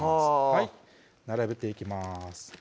はぁ並べていきます